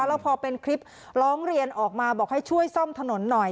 แล้วพอเป็นคลิปร้องเรียนออกมาบอกให้ช่วยซ่อมถนนหน่อย